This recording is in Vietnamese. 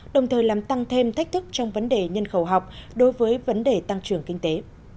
đồng thời làm tăng thêm thách thức trong vấn đề nhân khẩu học đối với vấn đề tăng trưởng kinh tế